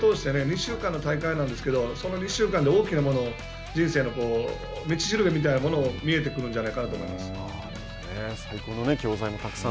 大会を通して２週間の大会なんですけど、その２週間で大きなものを人生の道しるべみたいなものが見えてくるんじゃないかと思います。